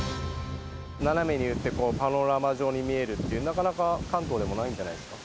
斜めに打って、パノラマ状に見えるって、なかなか関東でもないんじゃないですか。